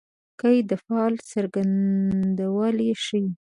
قید د فعل څرنګوالی ښيي.